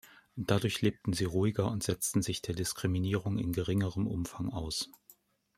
Dadurch lebten sie ruhiger und setzten sich der Diskriminierung in geringerem Umfang aus.